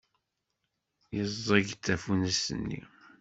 Yeẓẓeg-d tafunast-nni.